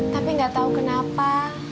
tapi nggak tahu kenapa